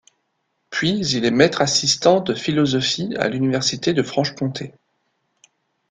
Puis il est maître-assistant de philosophie à l'université de Franche-Comté.